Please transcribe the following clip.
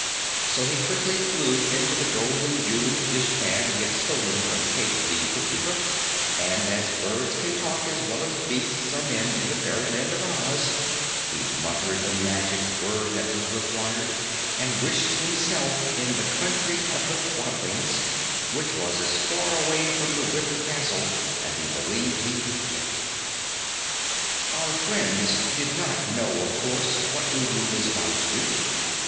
So he quickly flew into the golden jeweled dishpan he had stolen from Cayke the Cookie Cook, and as birds can talk as well as beasts or men in the Fairyland of Oz, he muttered the magic word that was required and wished himself in the Country of the Quadlings, which was as far away from the wicker castle as he believed he could get. Our friends did not know, of course, what Ugu was about to do.